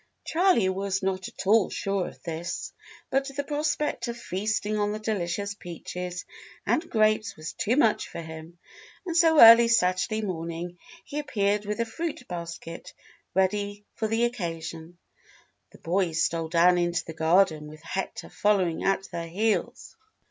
Charley was not at all sure of this, but the prospect of feasting on the delicious peaches and grapes was too much for him, and so early Saturday morning he appeared with a fruit basket ready for the occasion. The boys stole down into the garden with Hector following at their heels.